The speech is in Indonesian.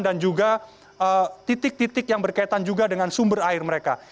dan juga titik titik yang berkaitan juga dengan sumber air mereka